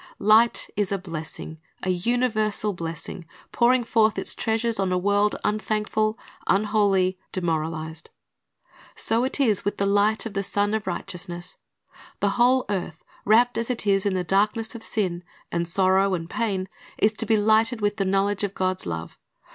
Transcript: Light is a blessing, a universal blessing, pouring forth its treasures on a world unthankful, unholy, demoralized. So it is with the light of the Sun of Righteousness. The whole earth, wrapped as it is in the darkness of sin, and sorrow, and pain, is to be lighted with the knowledge of God's love.